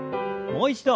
もう一度。